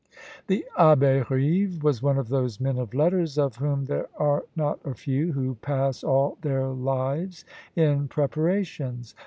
The Abbé Rive was one of those men of letters, of whom there are not a few who pass all their lives in preparations.